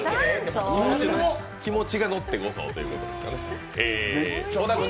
気持ちが乗って５層ってことですからね。